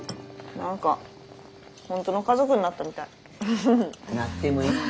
何か本当の家族になったみたい。